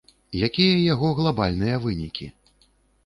Якія яго глабальныя вынікі?